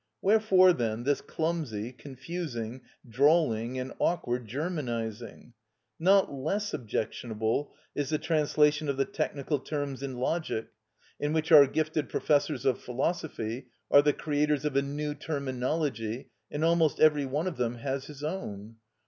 Wherefore then this clumsy, confusing, drawling, and awkward Germanising? Not less objectionable is the translation of the technical terms in Logic, in which our gifted professors of philosophy are the creators of a new terminology, and almost every one of them has his own.